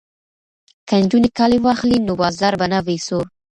که نجونې کالي واخلي نو بازار به نه وي سوړ.